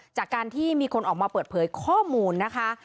จากการที่มีคนออกมาเปิดเผยข้อมูลนะคะ